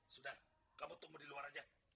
sudah kamu tunggu di luar aja